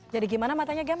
jadi gimana matanya gem